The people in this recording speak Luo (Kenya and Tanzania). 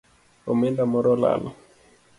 Omenda moro olal